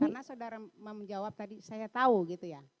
karena saudara mau menjawab tadi saya tahu gitu ya